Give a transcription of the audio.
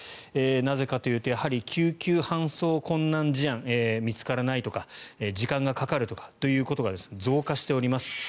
なぜかというとやはり救急搬送困難事案見つからないとか時間がかかるとかということが増加しております。